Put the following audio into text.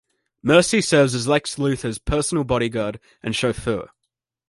Mercy serves as Lex Luthor's personal bodyguard and chauffeur.